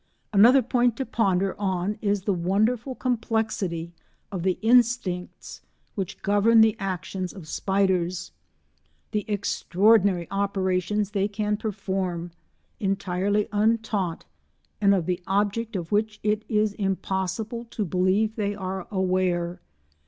Another point to ponder on is the wonderful complexity of the instincts which govern the actions of spiders; the extraordinary operations they can perform, entirely untaught, and of the object of which it is impossible to believe they are aware.